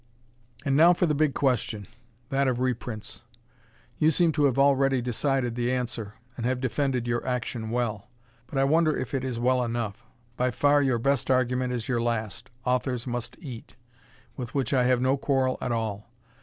And now for the big question that of reprints. You seem to have already decided the answer, and have defended your action well, but I wonder if it is well enough. By far your best argument is your last "authors must eat" with which I have no quarrel at all.